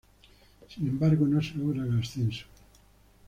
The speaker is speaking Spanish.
Sin embargo, no se logra el ascenso.